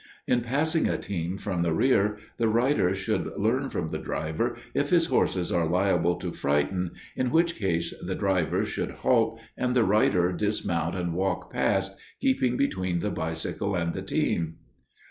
In passing a team from the rear, the rider should learn from the driver if his horses are liable to frighten, in which case the driver should halt, and the rider dismount and walk past, keeping between the bicycle and the team....